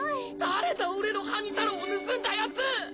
誰だ俺のハニ太郎を盗んだやつ！